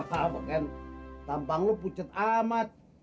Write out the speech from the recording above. ah ah bahkan tampang lu pucat amat